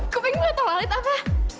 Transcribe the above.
kuping lu gak terlalit apa